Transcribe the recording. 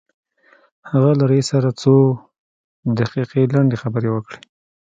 هغه له رئيس سره څو دقيقې لنډې خبرې وکړې.